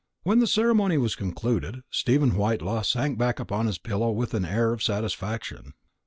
When the ceremony was concluded, Stephen Whitelaw sank back upon his pillow with an air of satisfaction.